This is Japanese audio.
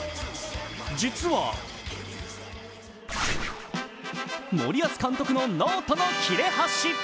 実は、森保監督のノートの切れ端。